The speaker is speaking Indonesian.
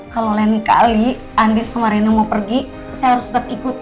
kalau lain kali andi sama rena mau pergi saya harus tetap ikut